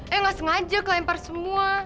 eh nggak sengaja kelempar semua